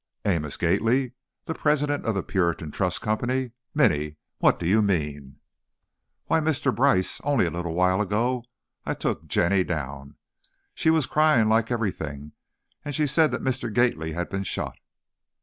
"Amos Gately? The president of the Puritan Trust Company! Minny, what do you mean?" "Why, Mr. Brice, only a little while ago, I took Jenny down. She was crying like everything and she said that Mr. Gately had been shot!"